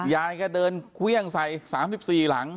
ยายแกเดินเครื่องใส่๓๔หลัง